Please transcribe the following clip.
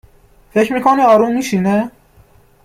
فکر میکنی آروم میشینه؟